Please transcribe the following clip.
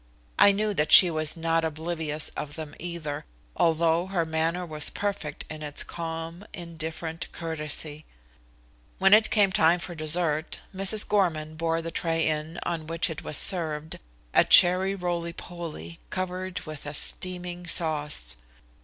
I knew that she was not oblivious of them either, although her manner was perfect in its calm, indifferent courtesy. When it came time for dessert Mrs. Gorman bore the tray in on which it was served, a cherry roly poly, covered with a steaming sauce.